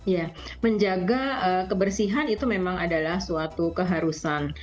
ya menjaga kebersihan itu memang adalah suatu keharusan